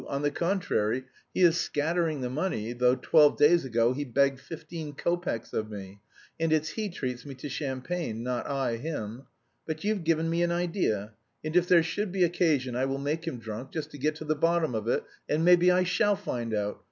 On the contrary, he is scattering the money, though twelve days ago he begged fifteen kopecks of me, and it's he treats me to champagne, not I him. But you've given me an idea, and if there should be occasion I will make him drunk, just to get to the bottom of it and maybe I shall find out...